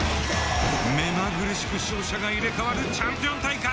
目まぐるしく勝者が入れ替わる「チャンピオン大会」。